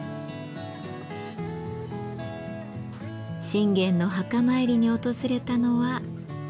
信玄の墓参りに訪れたのは。